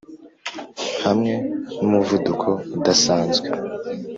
hamwe n'umuvuduko udasanzwe.